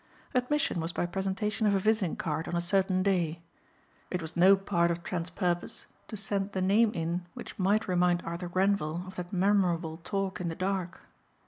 Admission was by presentation of a visiting card on a certain day. It was no part of Trent's purpose to send the name in which might remind Arthur Grenvil of that memorable talk in the dark.